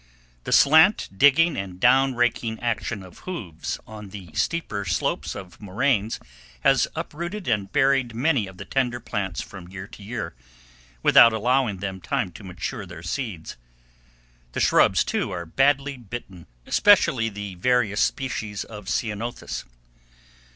The slant digging and down raking action of hoofs on the steeper slopes of moraines has uprooted and buried many of the tender plants from year to year, without allowing them time to mature their seeds. The shrubs, too, are badly bitten, especially the various species of ceanothus.